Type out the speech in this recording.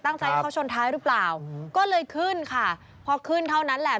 ตั้งใจให้เขาชนท้ายหรือเปล่าก็เลยขึ้นค่ะพอขึ้นเท่านั้นแหละ